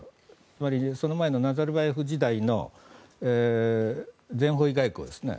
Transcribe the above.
つまり、その前のナザルバエフ時代の全方位外交ですね。